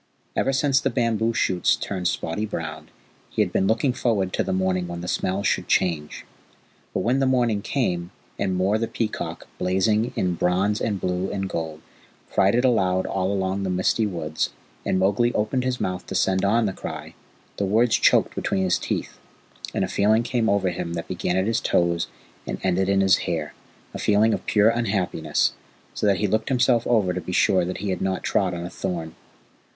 Ever since the bamboo shoots turned spotty brown he had been looking forward to the morning when the smells should change. But when the morning came, and Mor the Peacock, blazing in bronze and blue and gold, cried it aloud all along the misty woods, and Mowgli opened his mouth to send on the cry, the words choked between his teeth, and a feeling came over him that began at his toes and ended in his hair a feeling of pure unhappiness, so that he looked himself over to be sure that he had not trod on a thorn.